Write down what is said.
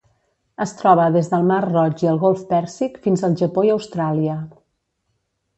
Es troba des del Mar Roig i el Golf Pèrsic fins al Japó i Austràlia.